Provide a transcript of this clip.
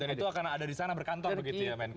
dan itu akan ada di sana berkantor begitu ya men